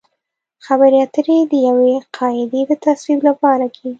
خبرې اترې د یوې قاعدې د تصویب لپاره کیږي